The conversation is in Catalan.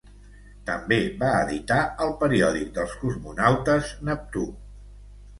També va editar el periòdic dels cosmonautes Neptú.